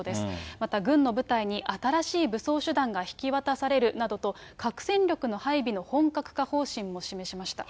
また軍の部隊に新しい武装手段が引き渡されるなどと、核戦力の配備の本格化方針も示しました。